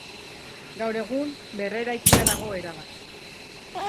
Gaur egun berreraikia dago erabat.